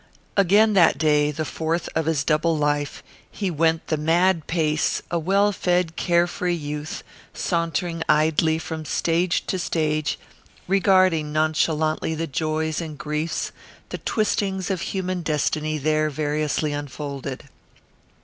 Again that day, the fourth of his double life, he went the mad pace, a well fed, carefree youth, sauntering idly from stage to stage, regarding nonchalantly the joys and griefs, the twistings of human destiny there variously unfolded.